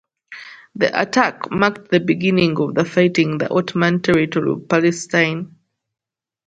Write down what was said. The attack marked the beginning of fighting in the Ottoman territory of Palestine.